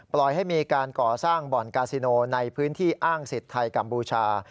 ให้มีการก่อสร้างบ่อนกาซิโนในพื้นที่อ้างสิทธิ์ไทยกัมพูชา